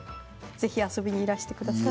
ぜひ遊びに来てください。